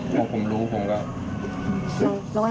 เพราะผมรู้ผมก็